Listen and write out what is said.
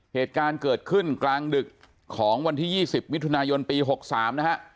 เหตุการณ์เกิดขึ้นกลางดึกของวันที่๒๐มิถุนายนปี๖๓นะฮะ